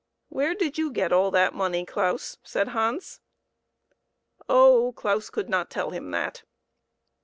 " Where did you get all that money, Claus ?" said Hans. Oh ! Claus could not tell him that.